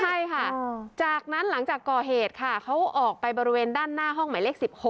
ใช่ค่ะจากนั้นหลังจากก่อเหตุค่ะเขาออกไปบริเวณด้านหน้าห้องหมายเลข๑๖